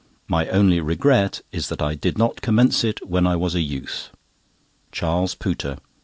My only regret is that I did not commence it when I was a youth. CHARLES POOTER.